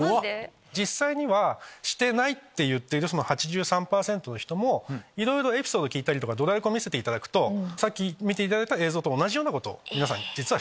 実際にはしてないって言ってるその８３％の人もいろいろエピソードを聞いたりドラレコ見せていただくとさっき見ていただいた映像と同じようなことを実はしている。